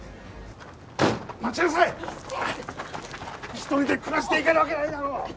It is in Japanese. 一人で暮らしていけるわけないだろう！